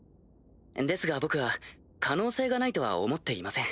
ですが僕は可能性がないとは思っていません。